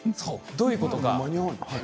どういうこと？